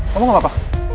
kamu gak apa apa